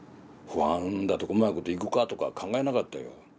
不安だとかうまいこといくかとか考えなかったよ。